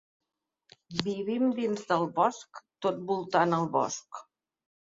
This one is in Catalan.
Vivim dins del bosc, tot voltant el bosc.